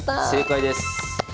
正解です。